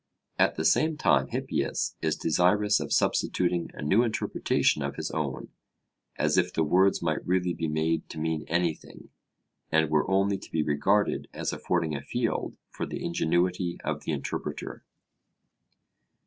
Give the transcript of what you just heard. At the same time Hippias is desirous of substituting a new interpretation of his own; as if the words might really be made to mean anything, and were only to be regarded as affording a field for the ingenuity of the interpreter.